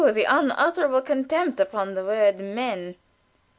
the unutterable contempt upon the word "men."